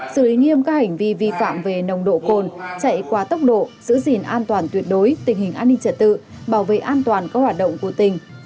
xử lý nghiêm các hành vi vi phạm về nồng độ cồn chạy qua tốc độ giữ gìn an toàn tuyệt đối tình hình an ninh trật tự bảo vệ an toàn các hoạt động của tỉnh